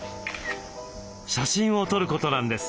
写真を撮ることなんです。